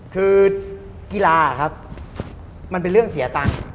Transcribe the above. คือกีฬาครับมันเป็นเรื่องเสียตังค์